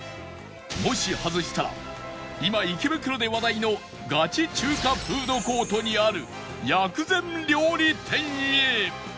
今池袋で話題のガチ中華フードコートにある薬膳料理店へ